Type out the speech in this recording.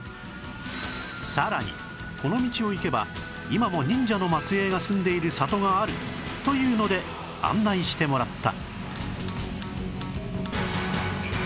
さらにこの道を行けば今も忍者の末裔が住んでいる里があるというので案内してもらった